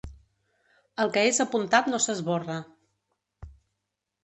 El que és apuntat no s'esborra.